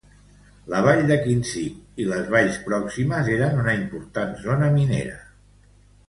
La vall de Kinzig i les valls pròximes eren una important zona minera.